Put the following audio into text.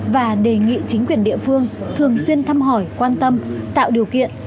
và đề nghị chính quyền địa phương thường xuyên thăm hỏi quan tâm tạo điều kiện